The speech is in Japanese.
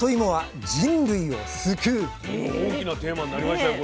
大きなテーマになりましたよ